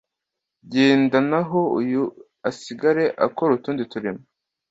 Genda naho uyu asigare akora utundi turimo .